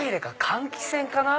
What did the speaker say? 換気扇かな？